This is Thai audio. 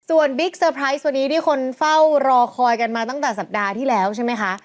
ส่วนบิ๊กเซอร์ไพรส์ตัวนี้ที่คนเฝ้ารอคอยกันมาตั้งแต่สัปดาห์ที่แล้วใช่ไหมคะ